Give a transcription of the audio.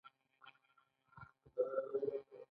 دویم دا چې موږ له کومو حقوقو برخمن یو.